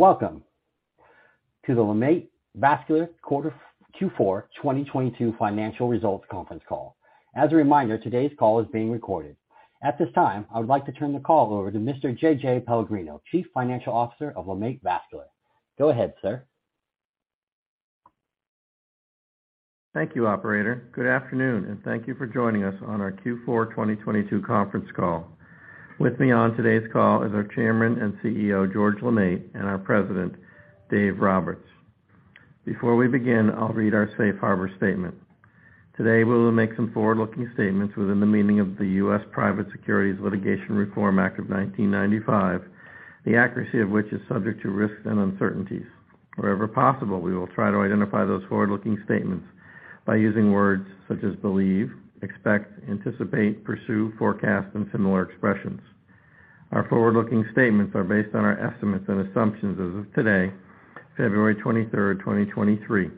Welcome to the LeMaitre Vascular Quarter, Q4 2022 Financial Results Conference Call. As a reminder, today's call is being recorded. At this time, I would like to turn the call over to Mr. J.J. Pellegrino, Chief Financial Officer of LeMaitre Vascular. Go ahead, sir. Thank you, operator. Good afternoon, and thank you for joining us on our Q4 2022 conference call. With me on today's call is our Chairman and CEO, George LeMaitre, and our President, Dave Roberts. Before we begin, I'll read our safe harbor statement. Today, we will make some forward-looking statements within the meaning of the U.S. Private Securities Litigation Reform Act of 1995, the accuracy of which is subject to risks and uncertainties. Wherever possible, we will try to identify those forward-looking statements by using words such as believe, expect, anticipate, pursue, forecast, and similar expressions. Our forward-looking statements are based on our estimates and assumptions as of today, February 23, 2023,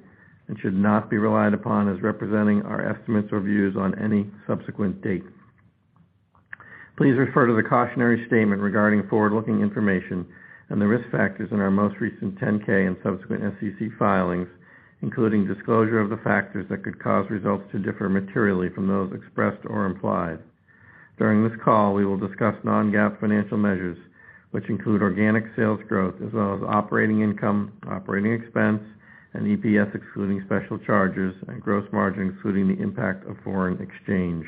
and should not be relied upon as representing our estimates or views on any subsequent date. Please refer to the cautionary statement regarding forward-looking information and the risk factors in our most recent 10-K and subsequent SEC filings, including disclosure of the factors that could cause results to differ materially from those expressed or implied. During this call, we will discuss non-GAAP financial measures, which include organic sales growth as well as operating income, operating expense, and EPS, excluding special charges and gross margin, excluding the impact of foreign exchange.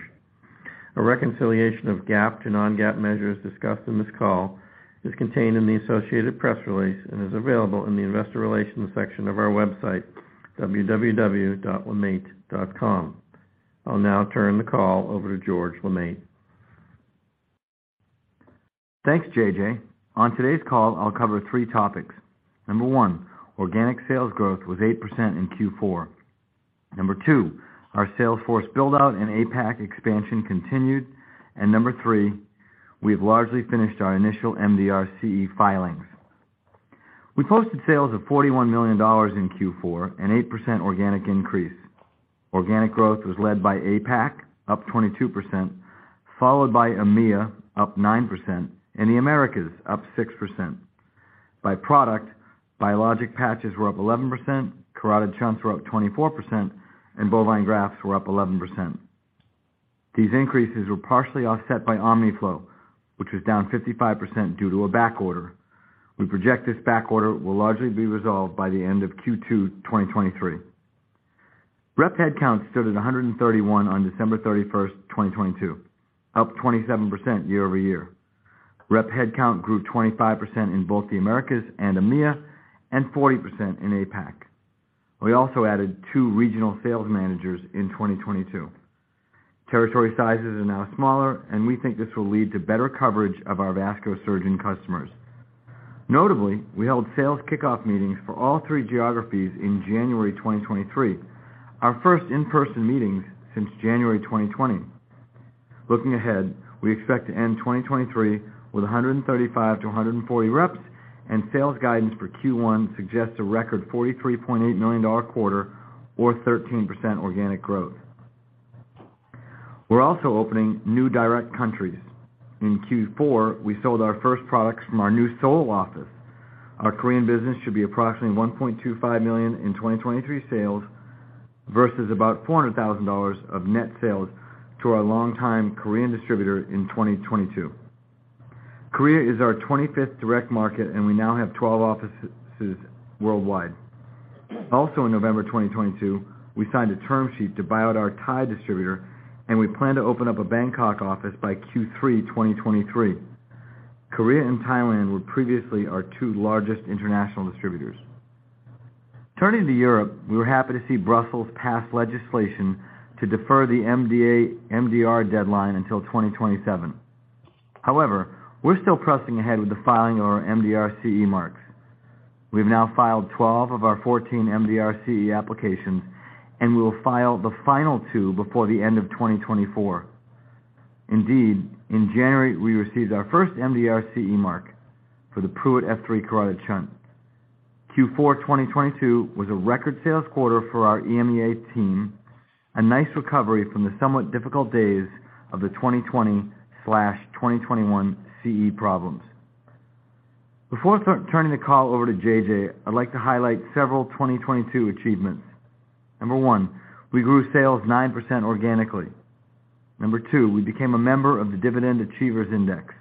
A reconciliation of GAAP to non-GAAP measures discussed in this call is contained in the associated press release and is available in the investor relations section of our website, www.lemaitre.com. I'll now turn the call over to George LeMaitre. Thanks, J.J. On today's call, I'll cover three topics. Number one, organic sales growth was 8% in Q4. Number two, our sales force build-out and APAC expansion continued. Number three, we have largely finished our initial MDR CE filings. We posted sales of $41 million in Q4, an 8% organic increase. Organic growth was led by APAC, up 22%, followed by EMEA, up 9%, and the Americas, up 6%. By product, biologic patches were up 11%, carotid shunts were up 24%, and bovine grafts were up 11%. These increases were partially offset by Omniflow, which was down 55% due to a backorder. We project this backorder will largely be resolved by the end of Q2, 2023. Rep headcount stood at 131 on December 31st, 2022, up 27% year-over-year. Rep headcount grew 25% in both the Americas and EMEA, and 40% in APAC. We also added two regional sales managers in 2022. Territory sizes are now smaller, and we think this will lead to better coverage of our vascular surgeon customers. Notably, we held sales kickoff meetings for all three geographies in January 2023, our first in-person meetings since January 2020. Looking ahead, we expect to end 2023 with 135-140 reps, and sales guidance for Q1 suggests a record $43.8 million quarter or 13% organic growth. We're also opening new direct countries. In Q4, we sold our first products from our new Seoul office. Our Korean business should be approximately $1.25 million in 2023 sales versus about $400,000 of net sales to our longtime Korean distributor in 2022. Korea is our 25th direct market, we now have 12 offices worldwide. In November 2022, we signed a term sheet to buy out our Thai distributor, we plan to open up a Bangkok office by Q3 2023. Korea and Thailand were previously our two largest international distributors. Turning to Europe, we were happy to see Brussels pass legislation to defer the MDR deadline until 2027. We're still pressing ahead with the filing of our MDR CE marks. We've now filed 12 of our 14 MDR CE applications, we will file the final two before the end of 2024. Indeed, in January, we received our first MDR CE mark for the Pruitt F3 Carotid Shunt. Q4 2022 was a record sales quarter for our EMEA team, a nice recovery from the somewhat difficult days of the 2020/2021 CE problems. Before turning the call over to J.J., I'd like to highlight several 2022 achievements. Number one, we grew sales 9% organically. Number two, we became a member of the Dividend Achievers Index.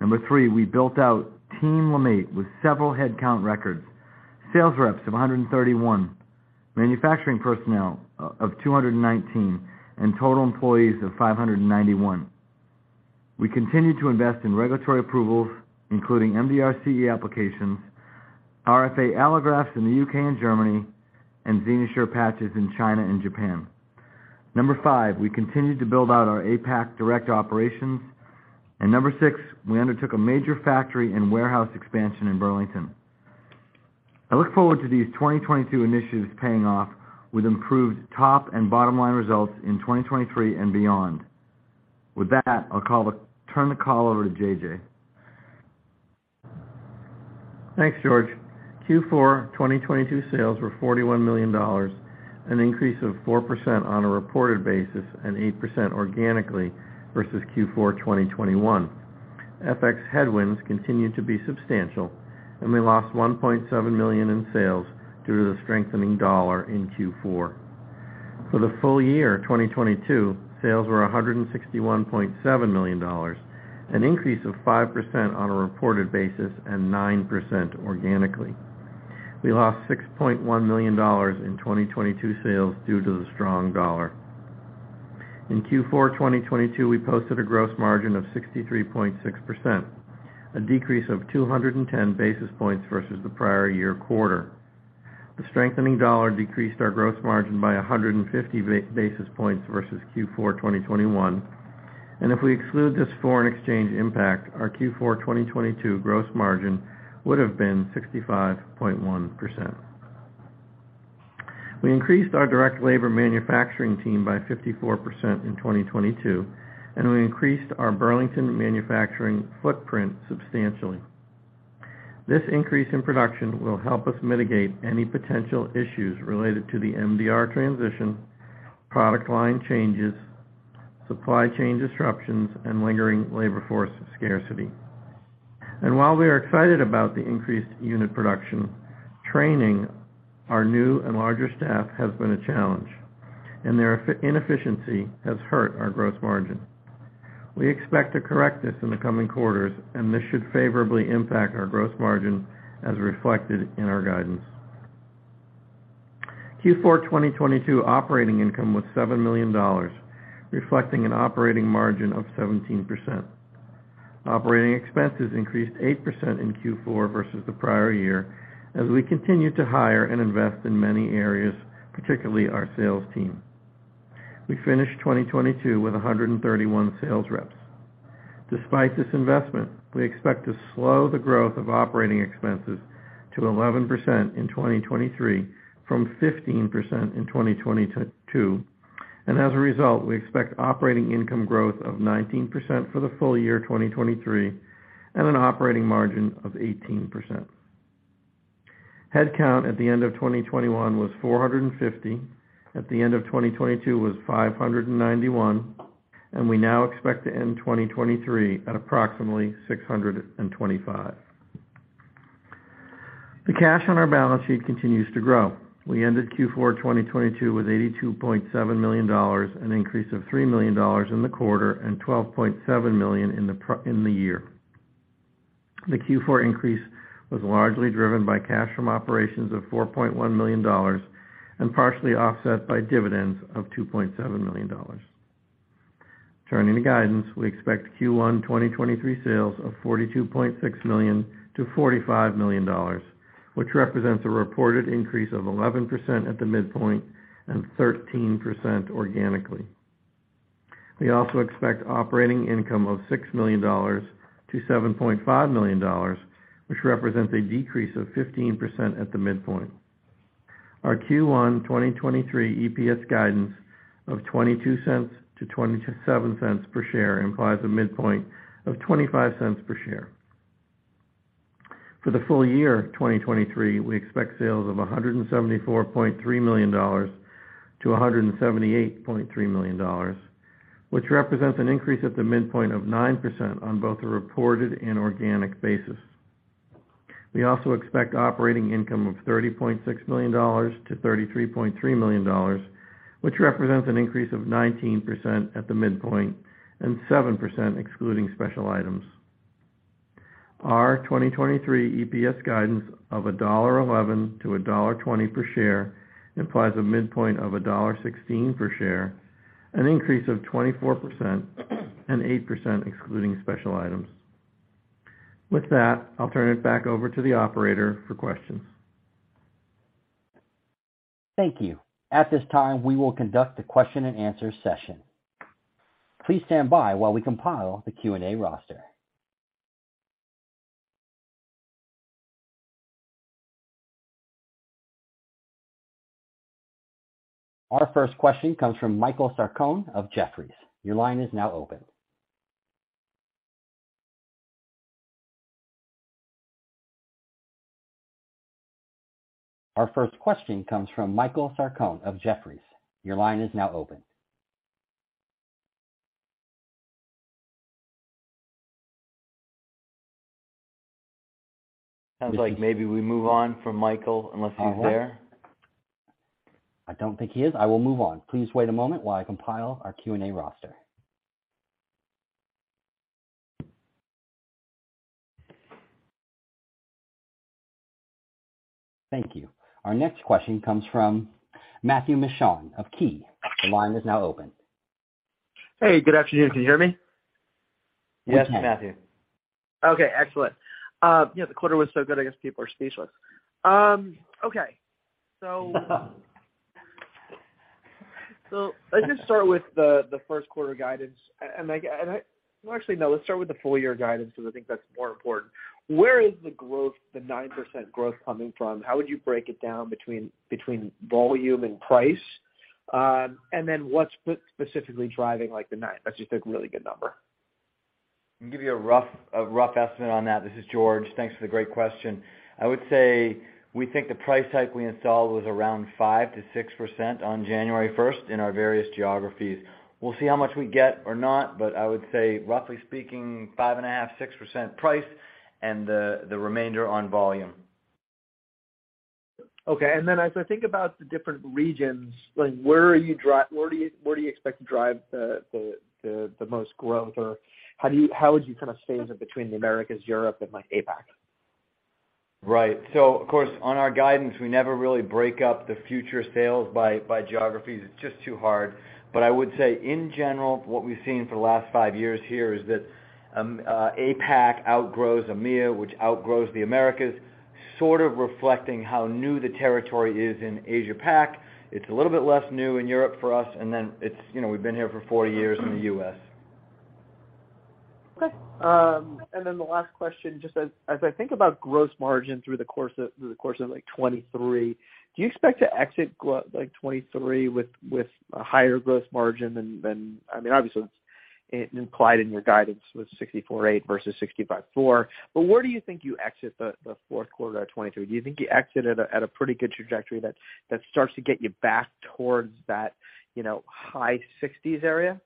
Number three, we built out Team LeMaitre with several headcount records, sales reps of 131, manufacturing personnel of 219, and total employees of 591. We continued to invest in regulatory approvals, including MDR CE applications, RFA allografts in the U.K. and Germany, and XenoSure patches in China and Japan. Number five, we continued to build out our APAC direct operations. Number six, we undertook a major factory and warehouse expansion in Burlington. I look forward to these 2022 initiatives paying off with improved top and bottom line results in 2023 and beyond. With that, I'll turn the call over to JJ. Thanks, George. Q4 2022 sales were $41 million. An increase of 4% on a reported basis and 8% organically versus Q4 2021. FX headwinds continued to be substantial. We lost $1.7 million in sales due to the strengthening dollar in Q4. For the full year 2022, sales were $161.7 million, an increase of 5% on a reported basis and 9% organically. We lost $6.1 million in 2022 sales due to the strong dollar. In Q4 2022, we posted a gross margin of 63.6%, a decrease of 210 basis points versus the prior year quarter. The strengthening dollar decreased our gross margin by 150 basis points versus Q4 2021. If we exclude this foreign exchange impact, our Q4 2022 gross margin would have been 65.1%. We increased our direct labor manufacturing team by 54% in 2022, and we increased our Burlington manufacturing footprint substantially. This increase in production will help us mitigate any potential issues related to the MDR transition, product line changes, supply chain disruptions, and lingering labor force scarcity. While we are excited about the increased unit production, training our new and larger staff has been a challenge, and their inefficiency has hurt our gross margin. We expect to correct this in the coming quarters, and this should favorably impact our gross margin as reflected in our guidance. Q4 2022 operating income was $7 million, reflecting an operating margin of 17%. Operating expenses increased 8% in Q4 versus the prior year as we continued to hire and invest in many areas, particularly our sales team. We finished 2022 with 131 sales reps. Despite this investment, we expect to slow the growth of operating expenses to 11% in 2023 from 15% in 2022. As a result, we expect operating income growth of 19% for the full year 2023 and an operating margin of 18%. Headcount at the end of 2021 was 450, at the end of 2022 was 591, and we now expect to end 2023 at approximately 625. The cash on our balance sheet continues to grow. We ended Q4 2022 with $82.7 million, an increase of $3 million in the quarter and $12.7 million in the year. The Q4 increase was largely driven by cash from operations of $4.1 million and partially offset by dividends of $2.7 million. Turning to guidance, we expect Q1 2023 sales of $42.6 million-$45 million, which represents a reported increase of 11% at the midpoint and 13% organically. We also expect operating income of $6 million-$7.5 million, which represents a decrease of 15% at the midpoint. Our Q1 2023 EPS guidance of $0.22-$0.27 per share implies a midpoint of $0.25 per share. For the full year 2023, we expect sales of $174.3 million-$178.3 million, which represents an increase at the midpoint of 9% on both a reported and organic basis. We also expect operating income of $30.6 million-$33.3 million, which represents an increase of 19% at the midpoint and 7% excluding special items. Our 2023 EPS guidance of $1.11-$1.20 per share implies a midpoint of $1.16 per share, an increase of 24% and 8% excluding special items. With that, I'll turn it back over to the operator for questions. Thank you. At this time, we will conduct a question-and-answer session. Please stand by while we compile the Q&A roster. Our first question comes from Michael Sarcone of Jefferies. Your line is now open. Sounds like maybe we move on from Michael unless he's there. I don't think he is. I will move on. Please wait a moment while I compile our Q&A roster. Thank you. Our next question comes from Matthew Mishan of Key. The line is now open. Hey, good afternoon. Can you hear me? Yes, Matthew. Excellent. Yeah, the quarter was so good, I guess people are speechless. So let's just start with the first quarter guidance, well, actually, no, let's start with the full year guidance because I think that's more important. Where is the growth, the 9% growth coming from? How would you break it down between volume and price? What's specifically driving like the 9%? That's just a really good number. I'll give you a rough estimate on that. This is George. Thanks for the great question. I would say we think the price hike we installed was around 5%-6% on January first in our various geographies. We'll see how much we get or not, but I would say roughly speaking, 5.5%, 6% price and the remainder on volume. Okay. then as I think about the different regions, like where are you where do you expect to drive the most growth? Or how would you kind of phase it between the Americas, Europe, and like APAC? Right. Of course, on our guidance, we never really break up the future sales by geographies. It's just too hard. I would say in general, what we've seen for the last five years here is that APAC outgrows EMEA, which outgrows the Americas, sort of reflecting how new the territory is in Asia Pac. It's a little bit less new in Europe for us, it's, you know, we've been here for 40 years in the U.S. Okay. Then the last question, just as I think about gross margin through the course of like 2023, do you expect to exit like 2023 with a higher gross margin than. I mean, obviously it's implied in your guidance with 64.8% versus 65.4%. Where do you think you exit the fourth quarter of 2023? Do you think you exit at a pretty good trajectory that starts to get you back towards that, you know, high 60s area?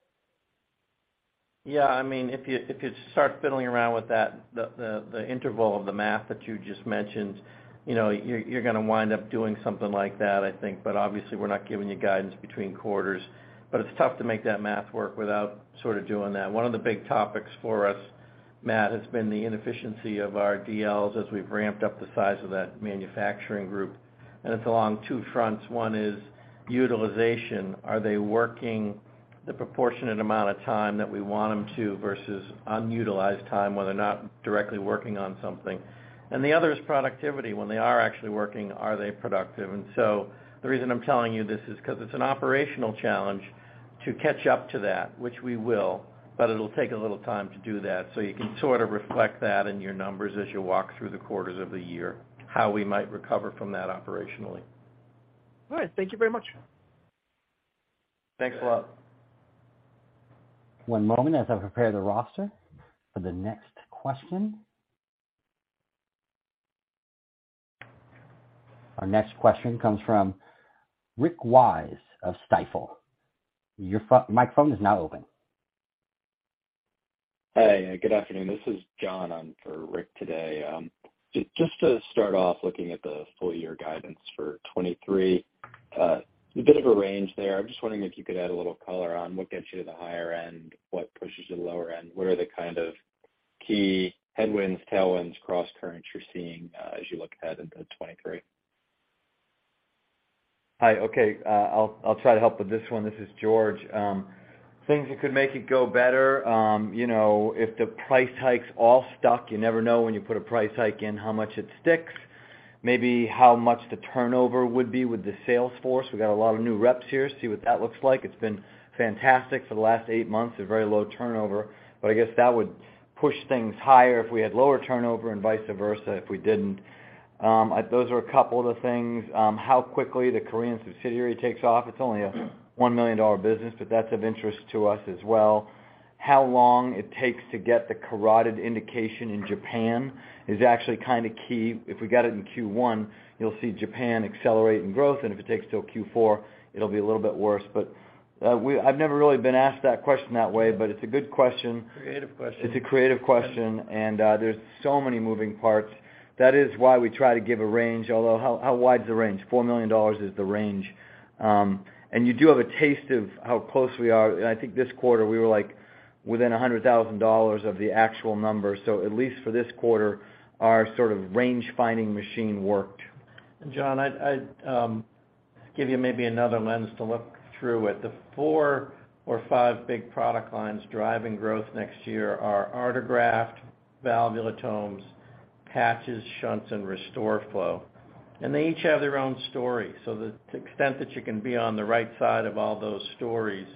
Yeah. I mean, if you, if you start fiddling around with that, the, the interval of the math that you just mentioned, you know, you're gonna wind up doing something like that, I think. Obviously we're not giving you guidance between quarters. It's tough to make that math work without sort of doing that. One of the big topics for us, Matt, has been the inefficiency of our DLs as we've ramped up the size of that manufacturing group, and it's along two fronts. One is utilization. Are they working the proportionate amount of time that we want them to versus unutilized time when they're not directly working on something? The other is productivity. When they are actually working, are they productive? The reason I'm telling you this is because it's an operational challenge to catch up to that, which we will, but it'll take a little time to do that. You can sort of reflect that in your numbers as you walk through the quarters of the year, how we might recover from that operationally. All right. Thank you very much. Thanks a lot. One moment as I prepare the roster for the next question. Our next question comes from Rick Wise of Stifel. Your microphone is now open. Hey, good afternoon. This is John on for Rick today. just to start off looking at the full year guidance for 2023, a bit of a range there. I'm just wondering if you could add a little color on what gets you to the higher end, what pushes you to the lower end. What are the kind of key headwinds, tailwinds, cross currents you're seeing, as you look ahead into 2023? Hi. Okay. I'll try to help with this one. This is George. Things that could make it go better, you know, if the price hikes all stuck, you never know when you put a price hike in how much it sticks. Maybe how much the turnover would be with the sales force. We got a lot of new reps here, see what that looks like. It's been fantastic for the last eight months, a very low turnover. I guess that would push things higher if we had lower turnover and vice versa if we didn't. Those are a couple of the things. How quickly the Korean subsidiary takes off. It's only a $1 million business, but that's of interest to us as well. How long it takes to get the carotid indication in Japan is actually kind of key. If we got it in Q1, you'll see Japan accelerate in growth, and if it takes till Q4, it'll be a little bit worse. I've never really been asked that question that way, but it's a good question. Creative question. It's a creative question, and, there's so many moving parts. That is why we try to give a range, although how wide is the range? $4 million is the range. You do have a taste of how close we are. I think this quarter, we were like within $100,000 of the actual number. So at least for this quarter, our sort of range-finding machine worked. John, I'd give you maybe another lens to look through at the four or five big product lines driving growth next year are Artegraft, Valvulotomes, Patches, Shunts and RestoreFlow. They each have their own story. The extent that you can be on the right side of all those stories,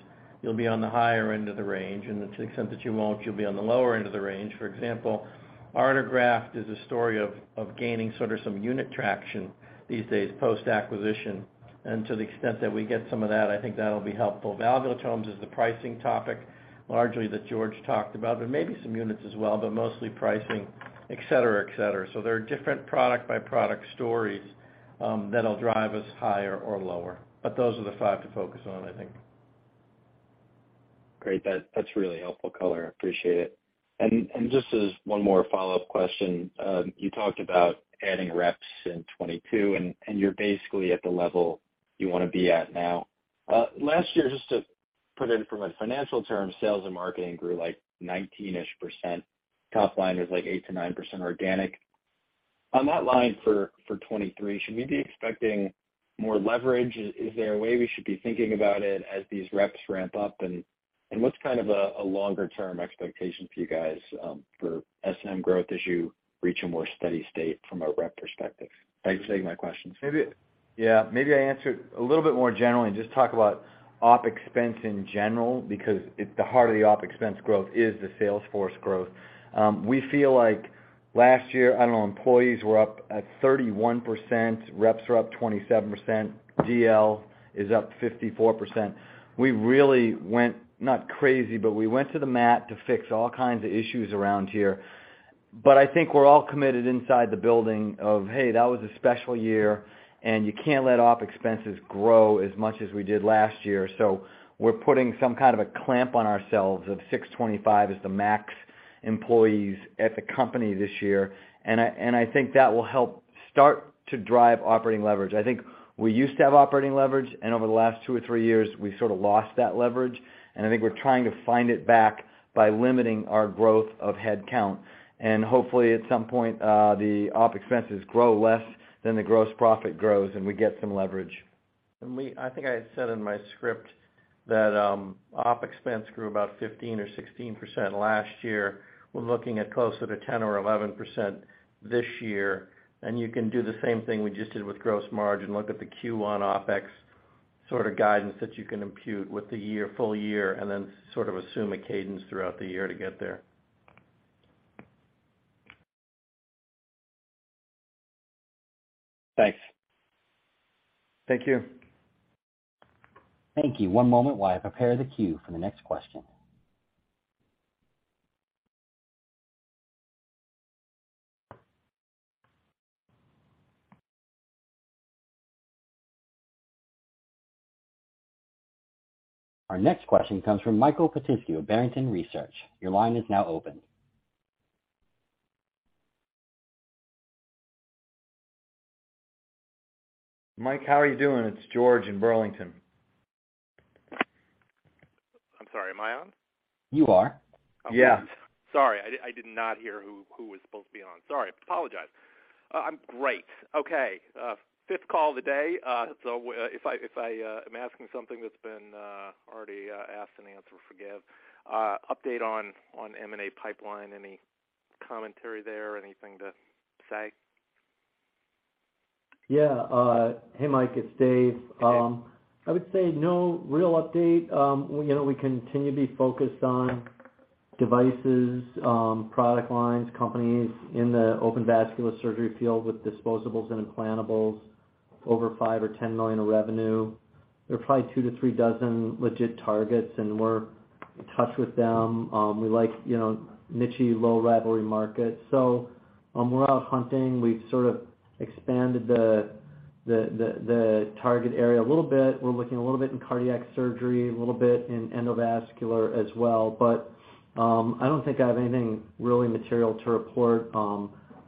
you'll be on the higher end of the range, and the extent that you won't, you'll be on the lower end of the range. For example, Artegraft is a story of gaining sort of some unit traction these days post-acquisition. To the extent that we get some of that, I think that'll be helpful. Valvulotomes is the pricing topic largely that George talked about, but maybe some units as well, but mostly pricing, et cetera, et cetera. There are different product by product stories that'll drive us higher or lower. Those are the five to focus on, I think. Great. That's really helpful color. I appreciate it. Just as one more follow-up question, you talked about adding reps in 2022 and you're basically at the level you want to be at now. Last year, just to put it from a financial term, sales and marketing grew like 19%. Top line was like 8%-9% organic. On that line for 2023, should we be expecting more leverage? Is there a way we should be thinking about it as these reps ramp up? What's kind of a longer term expectation for you guys for SM growth as you reach a more steady state from a rep perspective? Thanks for taking my questions. Maybe I answer it a little bit more generally and just talk about OpEx in general because the heart of the OpEx growth is the sales force growth. We feel like Last year, I don't know, employees were up at 31%, reps were up 27%, GL is up 54%. We really went, not crazy, but we went to the mat to fix all kinds of issues around here. I think we're all committed inside the building of, hey, that was a special year, and you can't let OpEx grow as much as we did last year. We're putting some kind of a clamp on ourselves of 625 is the max employees at the company this year. I, and I think that will help start to drive operating leverage. I think we used to have operating leverage. Over the last two or three years, we sort of lost that leverage. I think we're trying to find it back by limiting our growth of head count. Hopefully, at some point, the OpEx grow less than the gross profit grows, and we get some leverage. I think I said in my script that, OpEx grew about 15% or 16% last year. We're looking at closer to 10% or 11% this year. You can do the same thing we just did with gross margin. Look at the Q1 OpEx sort of guidance that you can impute with the year, full year, and then sort of assume a cadence throughout the year to get there. Thanks. Thank you. Thank you. One moment while I prepare the queue for the next question. Our next question comes from Michael Petusky of Barrington Research Associates. Your line is now open. Mike, how are you doing? It's George in Burlington. I'm sorry, am I on? You are. Yeah. Sorry, I did not hear who was supposed to be on. Sorry, I apologize. I'm great. Okay, fifth call of the day. If I, if I am asking something that's been already asked and answered, forgive. Update on M&A pipeline, any commentary there? Anything to say? Hey, Mike, it's Dave. I would say no real update. You know, we continue to be focused on devices, product lines, companies in the open vascular surgery field with disposables and implantables over $5 million or $10 million in revenue. There are probably two to three dozen legit targets, we're in touch with them. We like, you know, niche-y, low rivalry markets. We're out hunting. We've sort of expanded the target area a little bit. We're looking a little bit in cardiac surgery, a little bit in endovascular as well. I don't think I have anything really material to report.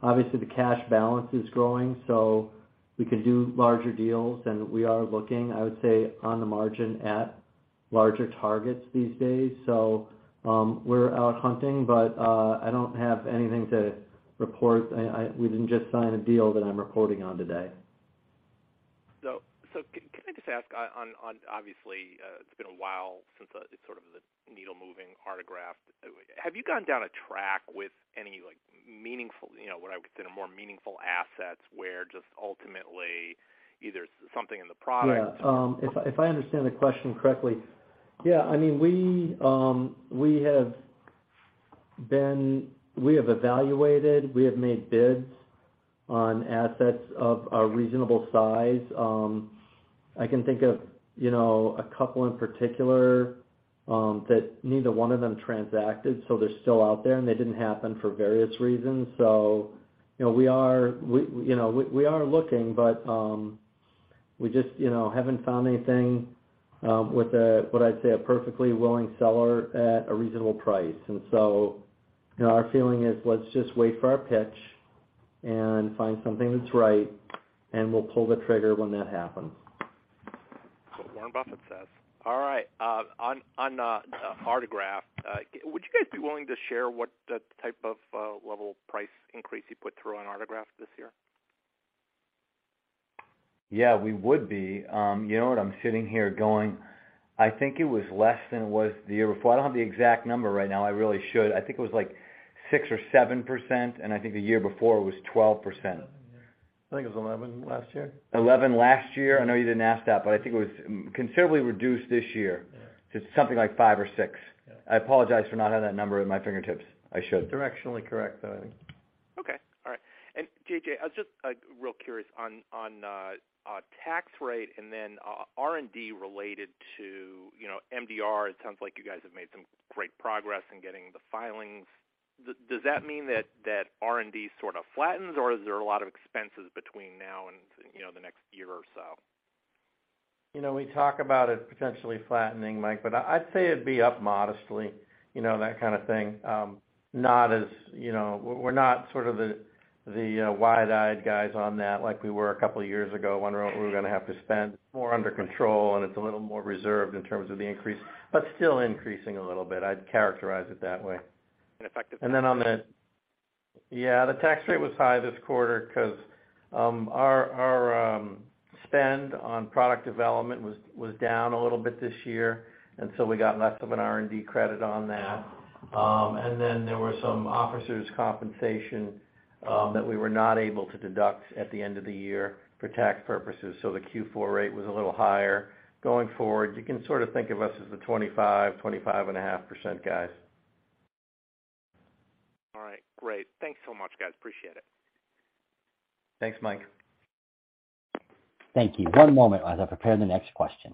Obviously the cash balance is growing, so we could do larger deals, and we are looking, I would say, on the margin at larger targets these days. We're out hunting, but I don't have anything to report. I, we didn't just sign a deal that I'm reporting on today. Can I just ask on obviously, it's been a while since the, sort of the needle-moving Artegraft? Have you gone down a track with any, like, meaningful, you know, what I would say the more meaningful assets where just ultimately either something in the product- Yeah. If I understand the question correctly. Yeah, I mean, we have evaluated, we have made bids on assets of a reasonable size. I can think of, you know, a couple in particular that neither one of them transacted, so they're still out there, and they didn't happen for various reasons. You know, we are, you know, we are looking, but we just, you know, haven't found anything with a, what I'd say, a perfectly willing seller at a reasonable price. You know, our feeling is let's just wait for our pitch and find something that's right, and we'll pull the trigger when that happens. That's what Warren Buffett says. All right. On Artegraft, would you guys be willing to share what the type of, level price increase you put through on Artegraft this year? Yeah, we would be. you know what? I'm sitting here going, I think it was less than it was the year before. I don't have the exact number right now. I really should. I think it was like 6% or 7%. I think the year before it was 12%. I think it was 11 last year. 11 last year. I know you didn't ask that, but I think it was considerably reduced this year to something like five or six. Yeah. I apologize for not having that number at my fingertips. I should. Directionally correct though, I think. Okay. All right. JJ, I was just, like, real curious on tax rate and then R&D related to, you know, MDR. It sounds like you guys have made some great progress in getting the filings. Does that mean that R&D sort of flattens, or is there a lot of expenses between now and, you know, the next year or so? You know, we talk about it potentially flattening, Mike. I'd say it'd be up modestly, you know, that kind of thing. Not as, you know. We're not sort of the wide-eyed guys on that like we were a couple of years ago, wondering what we were gonna have to spend. More under control. It's a little more reserved in terms of the increase, but still increasing a little bit. I'd characterize it that way. And effective- Yeah, the tax rate was high this quarter 'cause our spend on product development was down a little bit this year, and so we got less of an R&D credit on that. There were some officers' compensation that we were not able to deduct at the end of the year for tax purposes. The Q4 rate was a little higher. Going forward, you can sort of think of us as the 25%, 25.5% guys. Great. Thanks so much, guys. Appreciate it. Thanks, Mike. Thank you. One moment as I prepare the next question.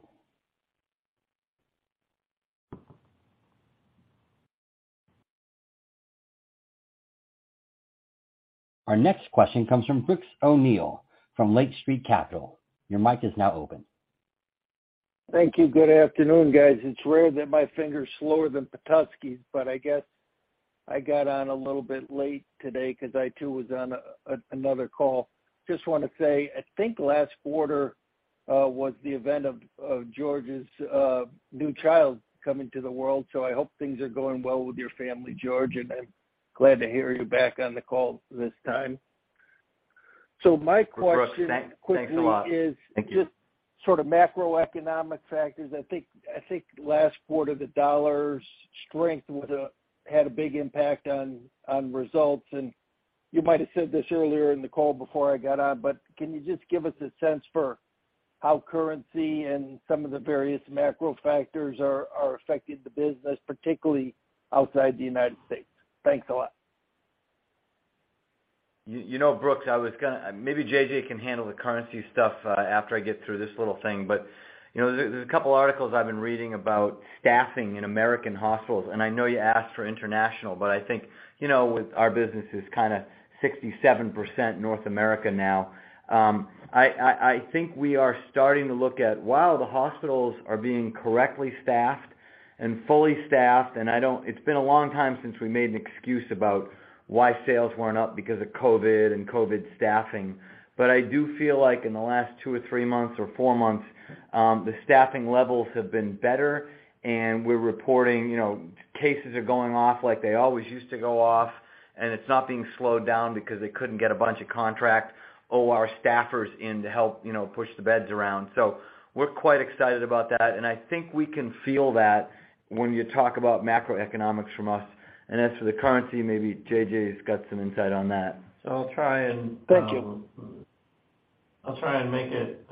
Our next question comes from Brooks O'Neil from Lake Street Capital. Your mic is now open. Thank you. Good afternoon, guys. It's rare that my finger's slower than Petusky's, but I guess I got on a little bit late today 'cause I too was on another call. Just wanna say, I think last quarter was the event of George's new child coming to the world, so I hope things are going well with your family, George, and I'm glad to hear you back on the call this time. My question- Brooks, thanks a lot. quickly is Thank you. -just sort of macroeconomic factors. I think last quarter, the dollar's strength was a had a big impact on results. You might have said this earlier in the call before I got on, but can you just give us a sense for how currency and some of the various macro factors are affecting the business, particularly outside the United States? Thanks a lot. You, you know, Brooks, Maybe J.J. can handle the currency stuff after I get through this little thing. You know, there's a couple articles I've been reading about staffing in American hospitals, and I know you asked for international, but I think, you know, with our businesses kinda 67% North America now, I think we are starting to look at while the hospitals are being correctly staffed and fully staffed. It's been a long time since we made an excuse about why sales weren't up because of COVID and COVID staffing. I do feel like in the last two or three months or four months, the staffing levels have been better, and we're reporting, you know, cases are going off like they always used to go off, and it's not being slowed down because they couldn't get a bunch of contract or our staffers in to help, you know, push the beds around. We're quite excited about that, and I think we can feel that when you talk about macroeconomics from us. As for the currency, maybe J.J.'s got some insight on that. I'll try and. Thank you. I'll try and make it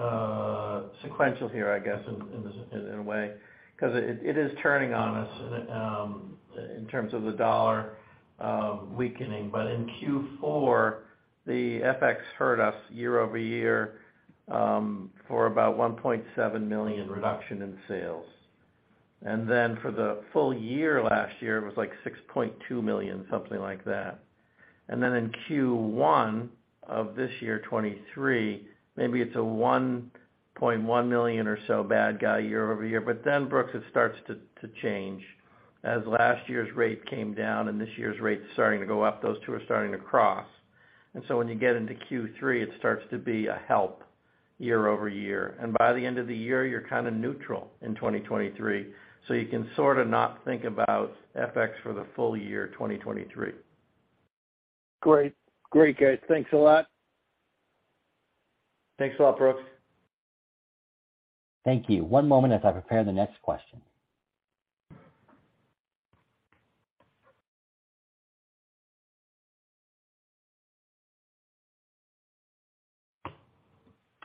sequential here, I guess, in a, in a way, 'cause it is turning on us in terms of the dollar weakening. In Q4, the FX hurt us year-over-year for about $1.7 million reduction in sales. Then for the full year last year, it was like $6.2 million, something like that. Then in Q1 of this year, 2023, maybe it's a $1.1 million or so bad guy year-over-year. Then, Brooks, it starts to change. As last year's rate came down and this year's rate's starting to go up, those two are starting to cross. When you get into Q3, it starts to be a help year-over-year. By the end of the year, you're kinda neutral in 2023. You can sorta not think about FX for the full year 2023. Great. Great, guys. Thanks a lot. Thanks a lot, Brooks. Thank you. One moment as I prepare the next question.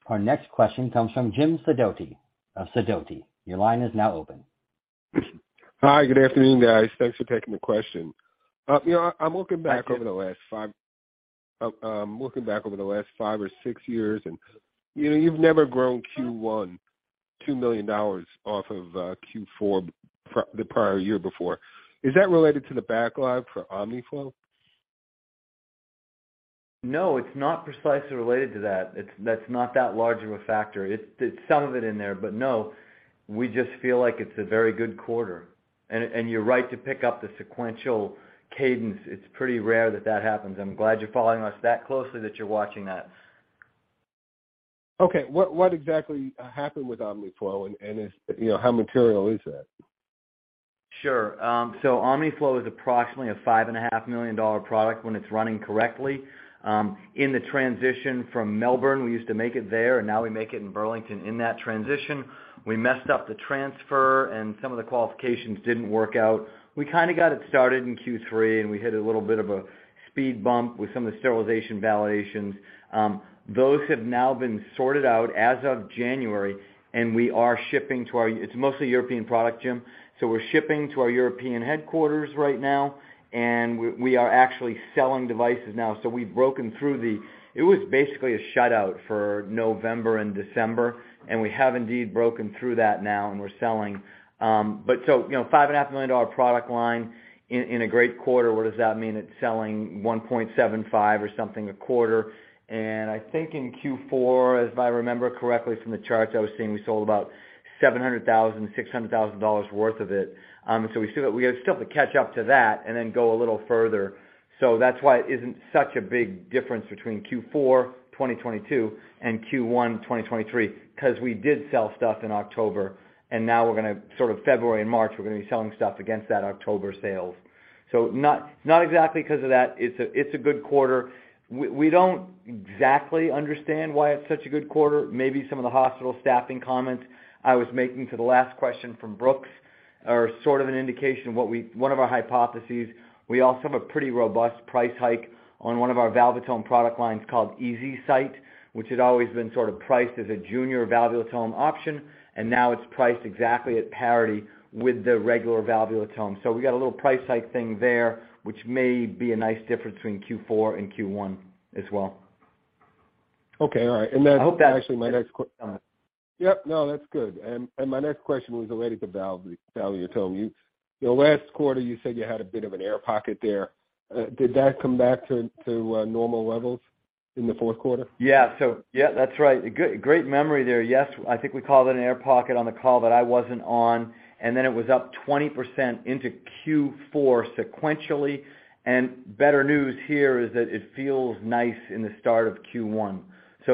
Our next question comes from Jim Sidoti of Sidoti. Your line is now open. Hi. Good afternoon, guys. Thanks for taking the question. you know, I'm looking back over the last five or six years and, you know, you've never grown Q1 $2 million off of, Q4 the prior year before. Is that related to the backlog for Omniflow II? No, it's not precisely related to that. That's not that large of a factor. It's some of it in there, but no, we just feel like it's a very good quarter. You're right to pick up the sequential cadence. It's pretty rare that that happens. I'm glad you're following us that closely that you're watching that. Okay. What exactly happened with Omniflow II? You know, how material is that? Sure. Omniflow II is approximately a $5.5 million product when it's running correctly. In the transition from Melbourne, we used to make it there, now we make it in Burlington. In that transition, we messed up the transfer, and some of the qualifications didn't work out. We kind of got it started in Q3, and we hit a little bit of a speed bump with some of the sterilization validations. Those have now been sorted out as of January. It's mostly European product, Jim. We're shipping to our European headquarters right now, and we are actually selling devices now. We've broken through. It was basically a shutout for November and December, and we have indeed broken through that now, and we're selling. You know, five and a half million dollar product line in a great quarter, what does that mean? It's selling $1.75 or something a quarter. I think in Q4, as if I remember correctly from the charts I was seeing, we sold about $700,000, $600,000 worth of it. We still have to catch up to that and then go a little further. That's why it isn't such a big difference between Q4 2022 and Q1 2023, 'cause we did sell stuff in October, and now we're gonna sort of February and March, we're gonna be selling stuff against that October sales. Not, not exactly 'cause of that. It's a good quarter. We don't exactly understand why it's such a good quarter. Maybe some of the hospital staffing comments I was making to the last question from Brooks are sort of an indication of what we one of our hypotheses. We also have a pretty robust price hike. On one of our Valvulotome product lines called Eze-Sit, which had always been sort of priced as a junior Valvulotome option, and now it's priced exactly at parity with the regular Valvulotome. We got a little price hike thing there, which may be a nice difference between Q4 and Q1 as well. Okay. All right. I hope. Actually my next question. Yep. No, that's good. My next question was related to Valvulotome. The last quarter, you said you had a bit of an air pocket there. Did that come back to normal levels in the fourth quarter? Yeah, that's right. A great memory there. Yes, I think we called it an air pocket on the call that I wasn't on, and then it was up 20% into Q4 sequentially. Better news here is that it feels nice in the start of Q1.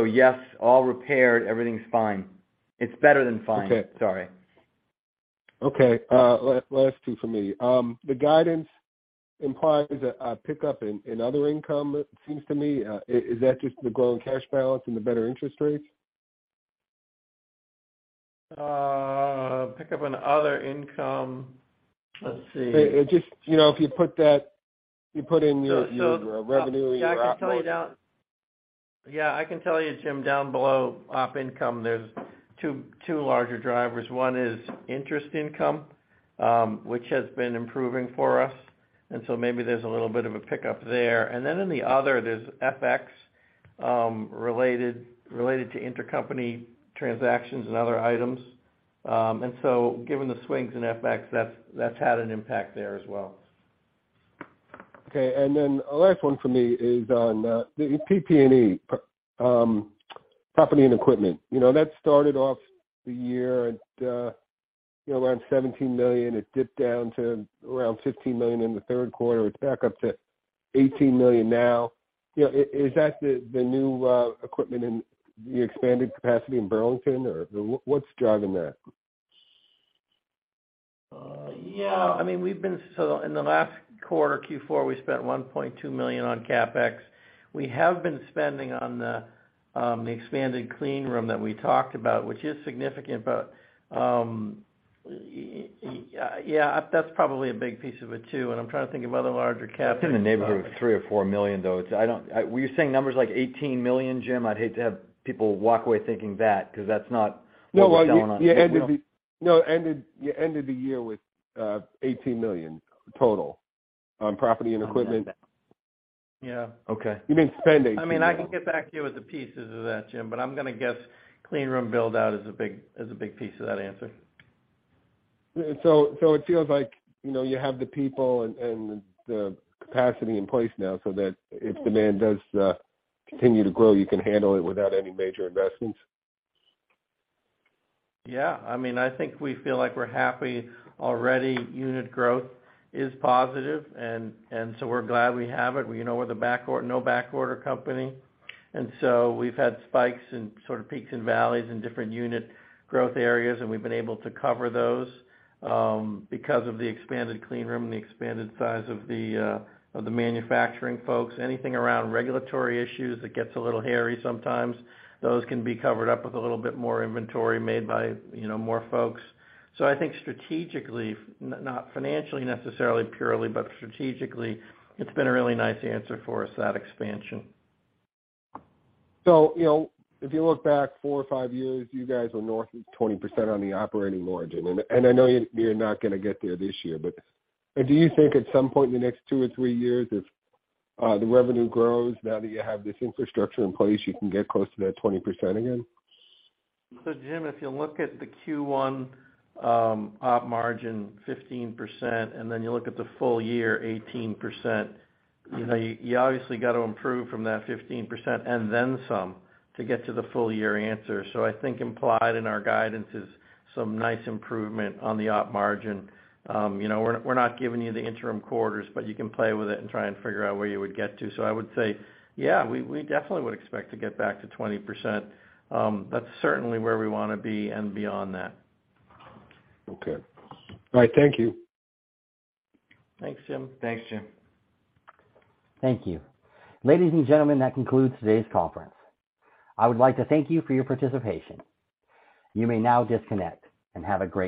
Yes, all repaired, everything's fine. It's better than fine. Okay. Sorry. Okay. last two for me. The guidance implies a pickup in other income, it seems to me. Is that just the growing cash balance and the better interest rates? Pickup on other income. Let's see. It just, you know, if you put that, you put in your revenue. I can tell you, Jim, down below op income, there's two larger drivers. One is interest income, which has been improving for us, maybe there's a little bit of a pickup there. Then in the other, there's FX related to intercompany transactions and other items. Given the swings in FX, that's had an impact there as well. Okay. Then a last one for me is on the PP&E, property and equipment. You know, that started off the year at, you know, around $17 million. It dipped down to around $15 million in the third quarter. It's back up to $18 million now. You know, is that the new equipment in the expanded capacity in Burlington or what's driving that? Yeah, I mean, in the last quarter, Q4, we spent $1.2 million on CapEx. We have been spending on the expanded clean room that we talked about, which is significant. Yeah, that's probably a big piece of it too. I'm trying to think of other larger CapEx. It's in the neighborhood of $3 million or $4 million, though. Were you saying numbers like $18 million, Jim? I'd hate to have people walk away thinking that because that's not what we're telling on. No. Well, you ended the year with $18 million total on property and equipment. Yeah. Okay. You mean spending. I mean, I can get back to you with the pieces of that, Jim, but I'm gonna guess clean room build-out is a big piece of that answer. It feels like, you know, you have the people and the capacity in place now so that if demand does continue to grow, you can handle it without any major investments. Yeah. I mean, I think we feel like we're happy already. Unit growth is positive and so we're glad we have it. We know we're the backorder, no backorder company, and so we've had spikes in sort of peaks and valleys in different unit growth areas, and we've been able to cover those because of the expanded clean room and the expanded size of the manufacturing folks. Anything around regulatory issues that gets a little hairy sometimes, those can be covered up with a little bit more inventory made by, you know, more folks. I think strategically, not financially necessarily purely, but strategically, it's been a really nice answer for us, that expansion. You know, if you look back four or five years, you guys are north of 20% on the operating margin. I know you're not gonna get there this year, but do you think at some point in the next two or three years, if the revenue grows now that you have this infrastructure in place, you can get close to that 20% again? Jim, if you look at the Q1 op margin, 15%, and then you look at the full year, 18%, you know, you obviously got to improve from that 15% and then some to get to the full year answer. I think implied in our guidance is some nice improvement on the op margin. You know, we're not giving you the interim quarters, but you can play with it and try and figure out where you would get to. I would say, yeah, we definitely would expect to get back to 20%. That's certainly where we wanna be and beyond that. Okay. All right. Thank you. Thanks, Jim. Thanks, Jim. Thank you. Ladies and gentlemen, that concludes today's conference. I would like to thank you for your participation. You may now disconnect and have a great day.